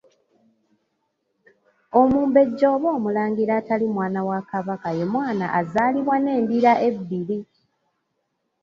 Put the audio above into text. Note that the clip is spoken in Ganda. Omumbejja oba Omulangira atali mwana wa Kabaka ye mwana azaalibwa n’endira ebbiri.